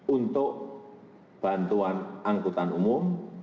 untuk bantuan angkutan umum